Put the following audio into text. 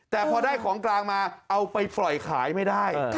แต่พอได้ของกลางมาเอาไปปล่อยขายไม่ได้